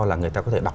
là người ta có thể đọc